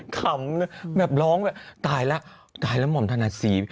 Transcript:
ขำนะแบบร้องแบบตายแล้วตายแล้วห่อมธนาศรี